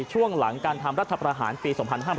ช่วงหลังการทำรัฐประหารปี๒๕๕๘